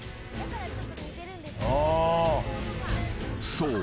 ［そう。